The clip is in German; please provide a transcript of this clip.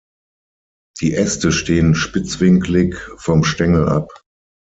Die Äste stehen spitzwinklig vom Stängel ab.